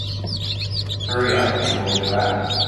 Hurry up and we'll go out.